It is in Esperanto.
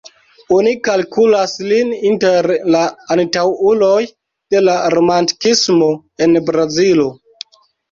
Oni kalkulas lin inter la antaŭuloj de la Romantikismo en Brazilo.